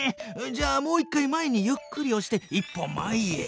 じゃあもう一回前にゆっくりおして一歩前へ。